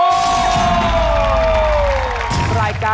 ดวงชะตา